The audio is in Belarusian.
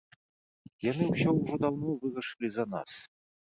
Яны ўсё ўжо даўно вырашылі за нас.